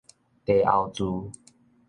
茶甌苴